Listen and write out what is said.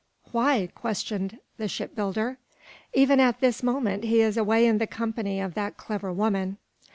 "Why?" questioned the shipbuilder. "Even at this moment he is away in the company of that clever woman."